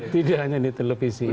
tidak hanya di televisi